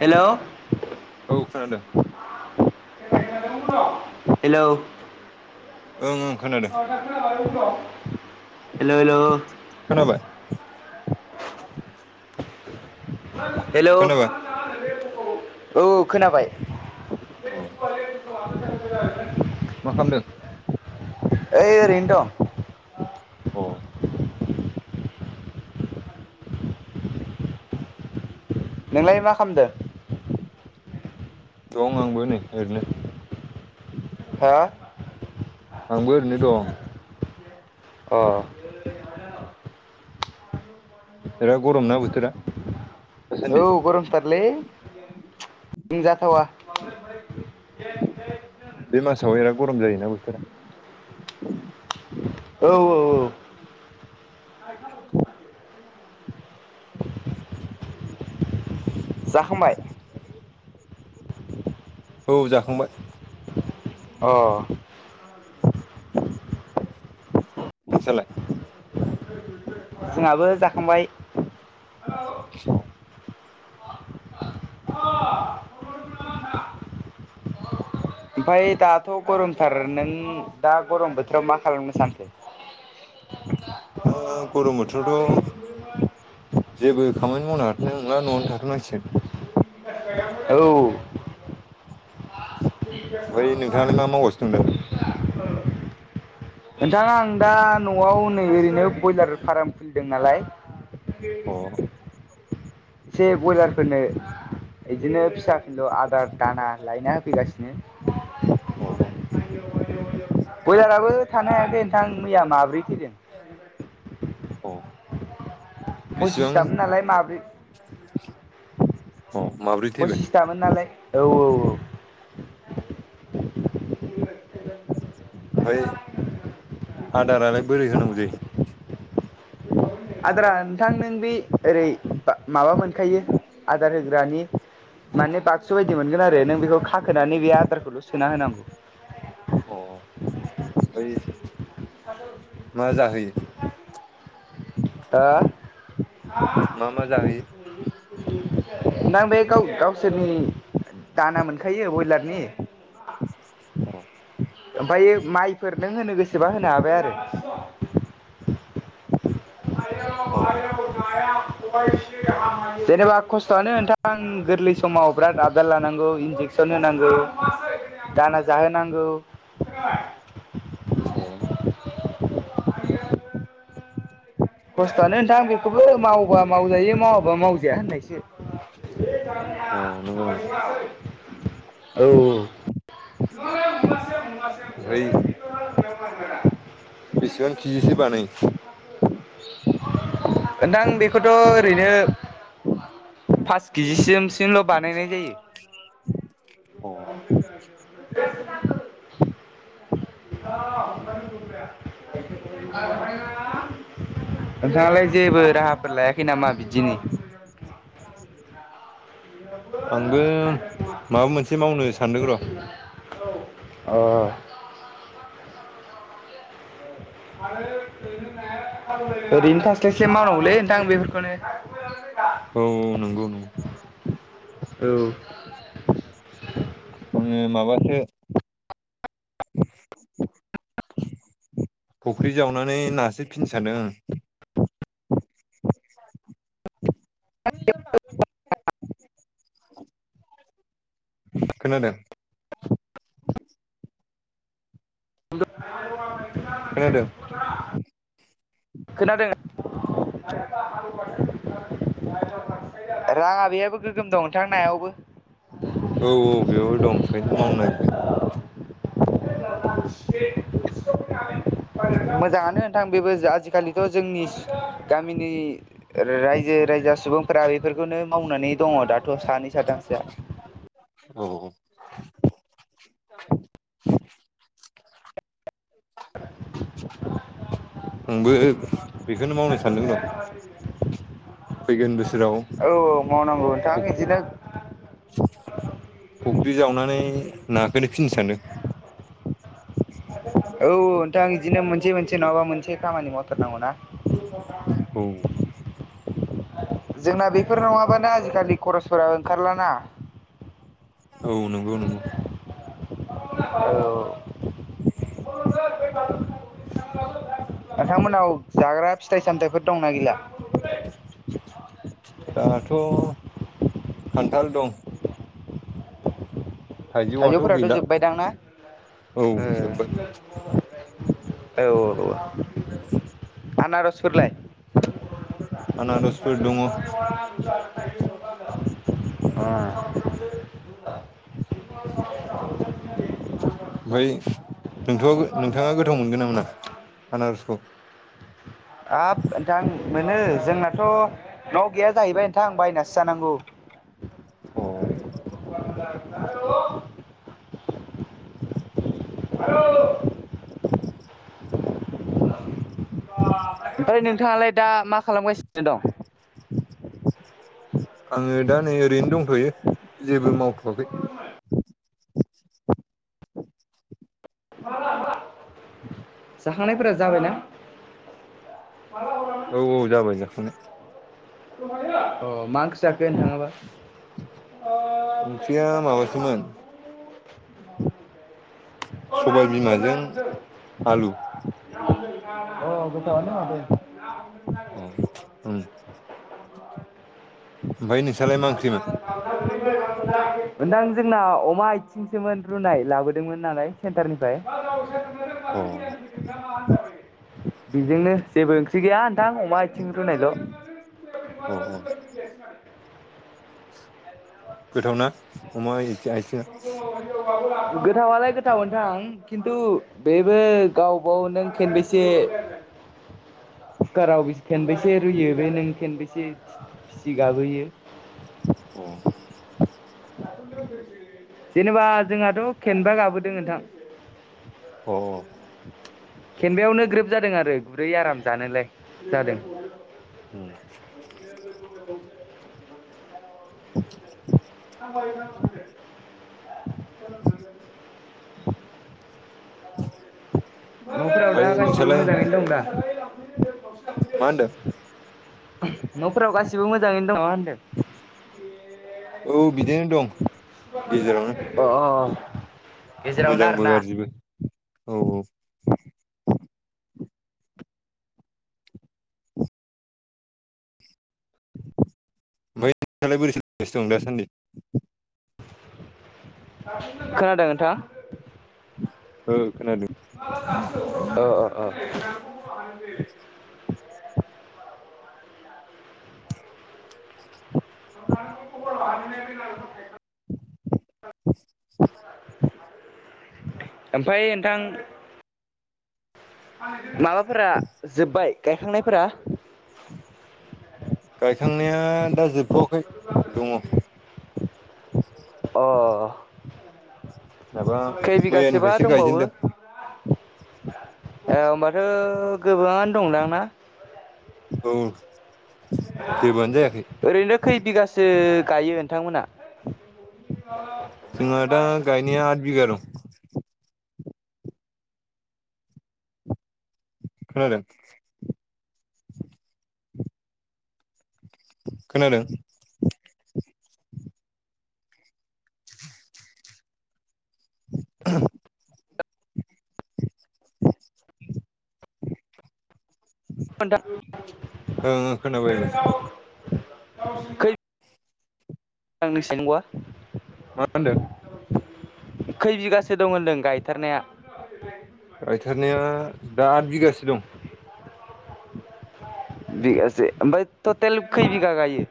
Hello औ खोनादों hello ओं ओं खोनादों [inaudible] हेल' हेल' खोनाबाय हेल' औ खोनाबाय खोनाबाय अ मा खालामदों ओइ ओरैनो दं। अ नोंलाय मा खालामदो? दं आबोनि एरनो ह आंबो ओरैनो दं अ बिराद गरम ना बोथोरा औ दासान्दि गरमथारलै बुंजाथावा [unintelligible] बे मासाव बिराद गरम जायोना बोथोरा औ औ [inaudible] जाखांबाय औ जाखांबाय अ नोंस्रालाय जोंहाबो जाखांबाय [inaudible] [inaudible] ओमफाय दाथ गरमथार नों दा गरम बोथोराव मा खालामनो सानखो? ओ [unintelligible] जेबो खामानि मावनो हाथ'नायनंला न'आवनो थाथ'नांसिगोन। औ ओमफाय नोंथाङालाय मा मावगासिनो दं नो? दा आं दा नआव नै ओरैनो बयलार फार्म खुलिदों नालाय [inaudible] अ एसे बयलारफोरनो बिदिनो फिसा [unintelligible] आदार दाना लायना होफैगासिनो। [inaudible] अ बयलाराबो थानो हायाखै नोंथां मैया माब्रै थैदों। अ बेसेबां पसिसथामोन नालाय माब्रै अ माब्रै थैबाय फसिसथामोन नालाय औ औ औ ओमफाय, आदारालाय बोरै होनांगौ जायो? आदारा नोंथां नों बे ओरै बा माबा मोनखायो आदार होग्रानि माने बाक्सु बायदि मोनगोन आरो नों बेखौ खाखोनानै बे आदारखौल' सोना होनांगौ। अ ओमफाय मा जाहोयो? ओ [inaudible] मा मा जाहोयो दा बे गाव गावसोरनि दाना मोनखायो बयलारनि [inaudible] ओमफायो माइफोर नों होनो गोसोबा होनो हाबाय आरो। [inaudible] अ [unintelligible] [inaudible] जेनेबा खस्थयानो नोंथां गोरलै समाव बिराद आबदार लानांगौ इन्जेकसन होनो नांगौ, दाना जाहोनांगौ। [inaudible] अ [inaudible] खस्थ'आनो नोंथां बेखौबो मावबा मावजायो मावाबा मावजाया होननायसो अ नंगौ नामा? औ [inaudible] ओमफाय बेसेबां खिजिसो बानायो? नोंथां बेखौथ' ओरैनो पास किजि सिमसोल बानायनाय जायो। अ [inaudible] [inaudible] [inaudible] नोंथाङालाय जेबो राहाफोर लायाखै नामा बिदिनि? आंबो माबा मोनसे मावनो सानदों र'। अ ओरैनो थास्लायस्लाय मावनांगौलै नोंथां बेफोरखौनो। औ औ नंगौ नंगौ। औ। माबासो फुख्रि जावनानै नासो फिनो सान्दों आं। [inaudible] खोनादों [unintelligible] खोनादों खोनादों औ [unintelligible] राङा बेैयाबो गोगोम दं नोंथां नायावबो औ औ बेयावनो दं ओंखायनो मावनो नागिरदों। मोजाङानो नोंथां बेबो आजिखालिथ' जोंनि गामिनि रायजो राजा सुबुंफोरा बेफोरखौनो मावनानै दङ' दाथ' सानै साथामसोआ। औ। आबो बेखौनो मावनो सानदों र' फैगोन बोसो राव औ मावनांगौ नोथां इदिनो। फुख्रि जावनानै नाखोनो फिनो सानदों। औ नोंथां इदिनो मोनसे मोनसे नङाबा मोनसे खामानि मावथारनांगौ ना। औ जोंना बेफोर नङाबाना आजिखालि खरसफोरा ओंखारलाना। औ नंगौ नंगौ। औ। [unintelligible] नोंथांमोननाव जाग्रा- फिथाइ सामथाइफोर दंना गैला। दाथ' खान्थाल दं। थाइजौआथ' थाइजौफोराथ' गैला जोबबाय दां ना? औ जोब्बाय ओ औ आनारसफोरलाय आनारसफोर दङ। अ। बाय नोंथ' नोंथाङा गोथाव मोनगोन ना मोना आनारसखौ। हाब नोंथां मोनो जोंनाथ' न'आव गैया जाहैबाय नोंथां बायनासो जानांगौ। अ। [unintelligible] [inaudible] ओमफाय नोंथाङालाय दा मा खालामगासिनो दं। आङो दा नै ओरैनो दंथ'यो जेबो मावथ'वाखै। [inaudible] [unintelligible] [inaudible] जाखांनायफोरा जाबाय ना। औ औ जाबाय जाखांनाय। अ मा जाखो नोथांआबा ओंख्रिया माबासोमोन सबाय बिमाजों आलु। [unintelligible] [unintelligible] [inaudible] नोंथां अ उम ओमफ्राय नोंस्रालाय मा ओंख्रिमोन जोंना अमा आथिंसोमोन रुनाय लाबोदोंमोन नालाय। सेन्टारनिफ्राय अ [inaudible] बेजोंनो जेबो ओंख्रि गैया नोंथां अमा आथिं रुनायल'। अ ओ। गोथावना अमा आइ-आइथिङा? गोथावालाय गोथाव नोंथां खिन्थु बेबो गावबाव नों खेनबेसे [inaudible] कुकाराव खेनबेसे रुयो बे नों खेनबेसे सिथि गाबोयो अ जेनोबा जोंहाथ' खेनबा गाबोदों नोंथां। अ खेनबायावनो ग्रोब जादों आरो गुरै आराम जानायोलाय जादों उम [inaudible] न'फोराव दा ओमफ्राय गासिबो नोंस्रालाय मोजाङैनो दं दा [inaudible] मा होनदों न'फोराव गासिबो मोजाङैनो दं ना मा होनदों औ बिदिनो दं अ गेजेरावनो गेजेरावनो मोजांबो आरोना गाज्रिबो औ औ [unintelligible] खोनादों नोंथां ओ खोनादों ओ ओ ओ [inaudible] [inaudible] आमफाय नोंथां माबाफोरा जोब्बाय गायखांनायफोरा गायखांनाया दा जोब थवाखै दङ अ माबा खै बिगासोबा मैयानिफ्रायसो दंबावो गायजेनदों ए होनोमबाथ' गोबाङानो दंदांना औ जेबोआनो जायाखै ओरैनो खै बिगासो गायो नोंथांमोना जोंहा दा गायनाया आठ बिगा दं खोनादों खोनादों [inaudible] [inaudible] [inaudible] नोंथां ओं खोनाबाय एबार खै मा होनदों खैर बिगा सो दं होनदों गायथारनाया गायथारनाया दा आठ बिगासो दं बिगासे आमफाय तटेल खै बिघा गायो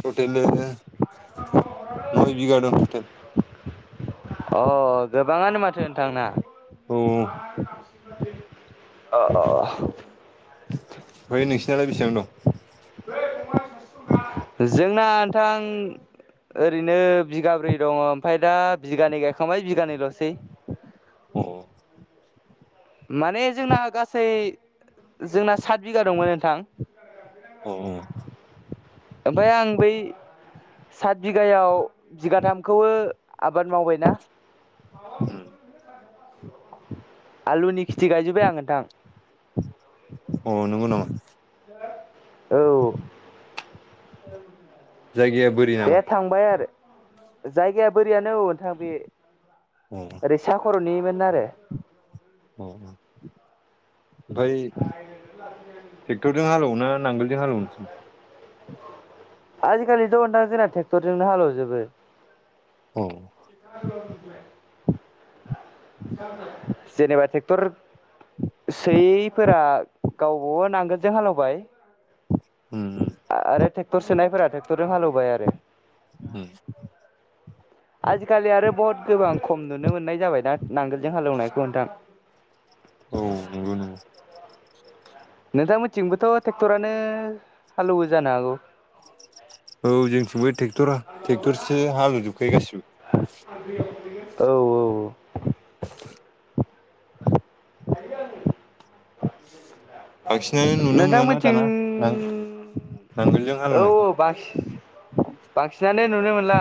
तटेल ओरैनो नइ बिघा दं तटेल अ गोबाङानो माथो नोंथांना औ ओमफ्राय अ अ। नोंसिनालाय बेसेबां दं जोंना नोंथां ओरैनो बिगाब्रै दङ ओमफाय दा बिगानै गायखांबाय बिगानैलसै। अ माने जोंना गासै जोंना सात बिगा दंमोन नोंथां‌‌। अ ओमफाय आं बै सात बिगायाव बिगाथामखौबो आबाद मावबायना? अ आलुनि खेथि गायजोब्बाय आं नोंथां। अ नंगौ नामा? औ जायगाया बोरि बे नामा थांबाय आरो जायगाया बोरियानो उन नोंथां बे अ ओरै सा खर'निमोन आरो अ ओमफाय ट्रेक्टरजों हालेव ना नांगोलजों हालेवनो [inaudible] आजिखालिथ' नोंथां जोंना ट्रेक्टरजोंनो हालेवजोबो। [inaudible] अ जेनेबा ट्रेक क्टर सोयैफोरा गावबो नांगोलजों हालेवबाय। उम उम आरो ट्रेक्टर सोनायफोरा ट्रेक्टरजों हालेवबाय आरो। ओ। जाबाय दा नांगोलजों हालौवनायखौ नोंथां। औ नंगौ नों नोंथां मोथिंबोथ' ट्रेक्टरानो हालेवो जानो हागौ? औ जोंथिंबो ट्रेक्टर ट्रेक्टरसो हालेवजोबखायो गासिबो। [inaudible] अ [inaudible] [inaudible] बांसिनानो नुनो मोनला ना नोंथांमोनथिं दाना ना? नांगलजों औ हलेवनायखौ। औ बांसिन बांसिनानो नुनो मोनला।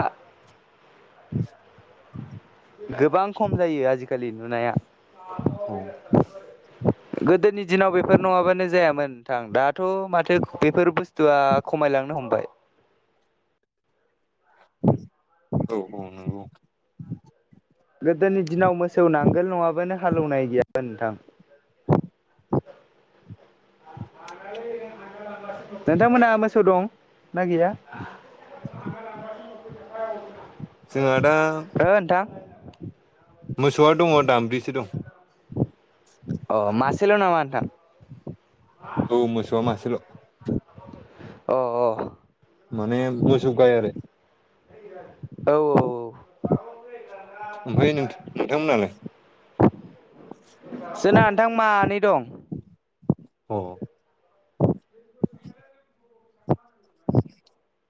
[inaudible] गोबां खम जायो आजिखालि नुनाया। औ गोदोनि दिनाव बेफोर नङाबानो जायामोन नोंथां दाथ' औ माथो बेफोर बुस्थुआ खमायलांनो हमबाय। औ औ नंगौ। गोदोनि दिनाव मोसौ नांगोल नङाबानो हालेवनाय गैयामोन नोंथां। नोंथांमोनहा मोसौ दं ना गैया? [inaudible] [inaudible] जोंहा दा ओ नोंथां मोसौआ दङ दाम्ब्रिसो दं। अ मासेल' नामा नोंथां? औ मोसौआ मासेल'। अ अ। माने मोसौ गाय आरो। औ औ औ। ओमफ्राय नों नोंथांमोननालाय? जोंना नोंथां मानै दं। अ। [unintelligible]